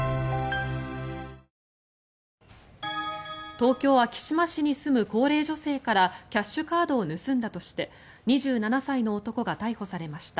東京・昭島市に住む高齢女性からキャッシュカードを盗んだとして２７歳の男が逮捕されました。